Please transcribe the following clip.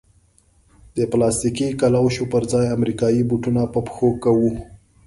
د پلاستیکي کلوشو پر ځای امریکایي بوټونه په پښو کوو.